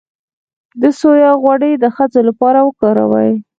د سویا غوړي د ښځو لپاره وکاروئ